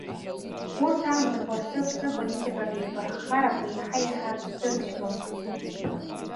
Урҭ аамҭақәа рзы Аԥсны аполитикатә еибарххарақәа иаҳа-иаҳа рҽдырцәгьон.